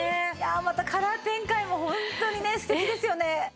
またカラー展開もホントにね素敵ですよね。